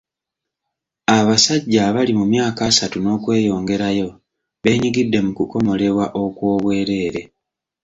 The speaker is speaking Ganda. Abasajja abali mu myaka asatu n'okweyongerayo beenyigidde mu kukomolebwa okw'obwereere.